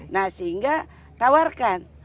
nah sehingga tawarkan